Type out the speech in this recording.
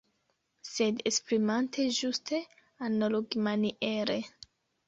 Sed esprimante ĝuste analogimaniere.